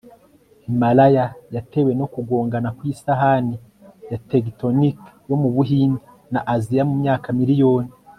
Himalaya yatewe no kugongana kwisahani ya tectonic yo mu Buhinde na Aziya mu myaka miriyoni